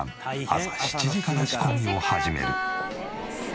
朝７時から仕込みを始める。